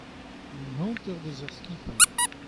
An hanter eus ar skipailh.